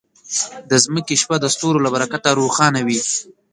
د ځمکې شپه د ستورو له برکته روښانه وي.